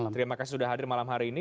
terima kasih sudah hadir malam hari ini